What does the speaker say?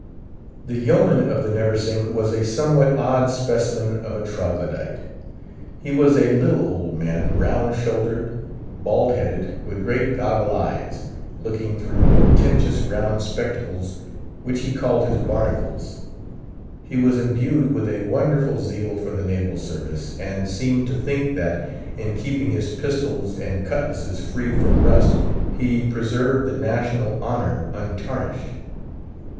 The Yeoman of the Neversink was a somewhat odd specimen of a Troglodyte. He was a little old man, round shouldered, bald headed, with great goggle eyes, looking through portentous round spectacles, which he called his barnacles. He was imbued with a wonderful zeal for the naval service, and seemed to think that, in keeping his pistols and cutlasses free from rust, he preserved the national honour untarnished.